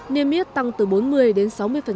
niêm yết tăng từ bốn mươi đến sáu mươi